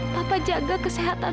papa jaga kesehatan